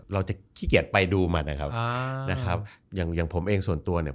เราจะขี้เกียจไปดูมันนะครับอย่างอย่างผมเองส่วนตัวเนี่ย